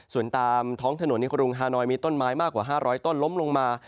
ส่วนตามท้องถนนในกรุงฮานอยมีต้นไม้มากกว่า๕๐๐ต้นล้มลงมา